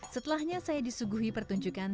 setelahnya saya disuguhi pertunjukan tari gandrung